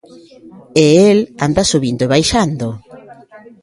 E el anda subindo e baixando.